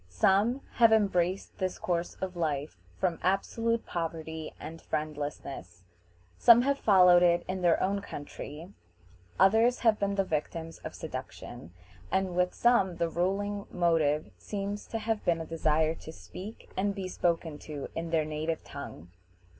Some have embraced this course of life from absolute poverty and friendlessness; some have followed it in their own country; others have been the victims of seduction; and with some the ruling motive seems to have been a desire to speak and be spoken to in their native tongue.